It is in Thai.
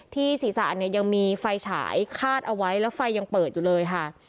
ศีรษะเนี่ยยังมีไฟฉายคาดเอาไว้แล้วไฟยังเปิดอยู่เลยค่ะ